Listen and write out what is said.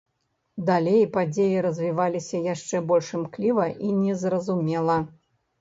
Далей падзеі развіваліся яшчэ больш імкліва і незразумела.